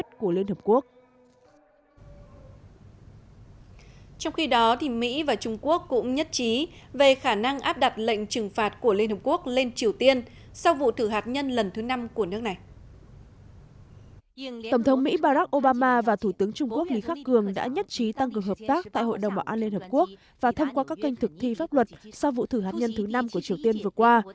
tổng thống mỹ barack obama và thủ tướng trung quốc lý khắc cường đã nhất trí tăng cường hợp tác tại hội đồng bảo an liên hợp quốc và thăm qua các kênh thực thi pháp luật sau vụ thử hạt nhân thứ năm của triều tiên vừa qua